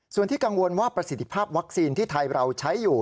ส่วนที่กังวลว่าประสิทธิภาพวัคซีนที่ไทยเราใช้อยู่